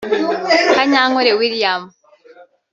Kanyankore William